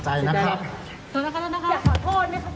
พี่เราทำไปนี่เพราะว่าเราปวดหรือคะ